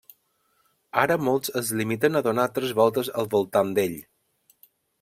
Ara molts es limiten a donar tres voltes al voltant d'ell.